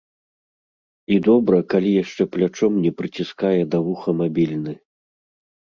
І добра, калі яшчэ плячом не прыціскае да вуха мабільны.